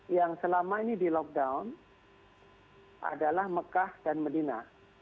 yang selama ini di lockdown adalah mekah dan medina